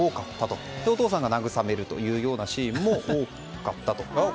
そして、お父さんが慰めるシーンも多かったと。